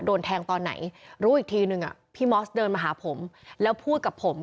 โดนแทงตอนไหนรู้อีกทีนึงพี่มอสเดินมาหาผมแล้วพูดกับผม